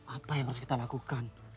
apa yang harus kita lakukan